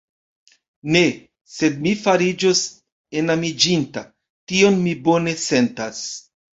Ne, sed mi fariĝos enamiĝinta; tion mi bone sentas.